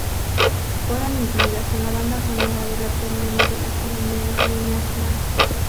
Fueron incluidas en la banda sonora de la telenovela colombiana Niñas mal.